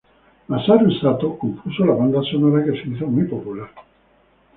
Masaru Satō compuso la banda sonora, que se hizo muy popular.